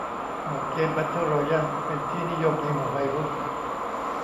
โหมดเกมแเบทเทิลรอยัลเป็นที่นิยมในหมู่วัยรุ่น